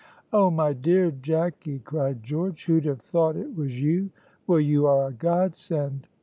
"Oh, my dear Jacky," cried George, "who'd have thought it was you! Well, you are a godsend!